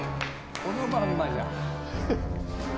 そのまんまじゃん。